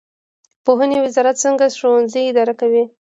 پوهنې وزارت څنګه ښوونځي اداره کوي؟